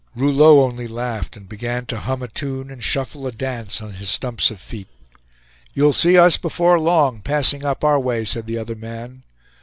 Rouleau only laughed, and began to hum a tune and shuffle a dance on his stumps of feet. "You'll see us, before long, passing up our way," said the other man.